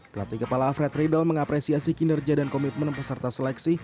pelatih kepala alfred riedel mengapresiasi kinerja dan komitmen peserta seleksi